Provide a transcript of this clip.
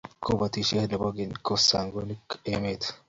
Kobotishe ne bo keny kosagonik emet.